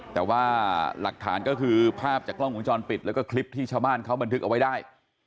แต่ว่าหลักฐานก็คือภาพจากกล้องวงจรปิดแล้วก็คลิปที่ชาวบ้านเขาบันทึกเอาไว้ได้